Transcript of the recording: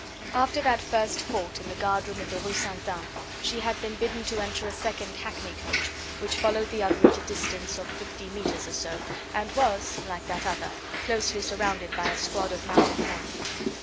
After that first halt in the guard room of the Rue Ste. Anne she had been bidden to enter a second hackney coach, which, followed the other at a distance of fifty metres or so, and was, like that other, closely surrounded by a squad of mounted men.